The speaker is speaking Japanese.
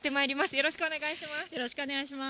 よろしくお願いします。